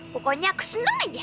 pokoknya aku seneng aja